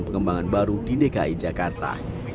pengembangan baru di dki jakarta